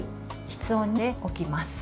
室温で置きます。